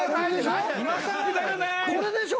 これでしょ？